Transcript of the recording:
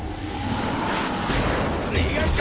逃がすか！